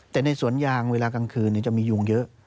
แต่ในสวนยางเวลากลางคืนจะมียุงเยอะ